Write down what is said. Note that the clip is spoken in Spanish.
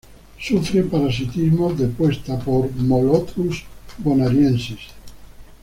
Sufre parasitismo de puesta por "Molothrus bonariensis".